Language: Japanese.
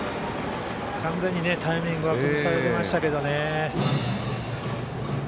完全にタイミングは崩されていましたけどね。